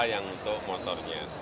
yang untuk motornya